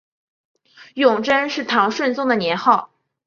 永贞是唐顺宗的年号。